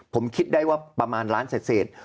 ผมคิดได้ว่าประมาณล้านเศษ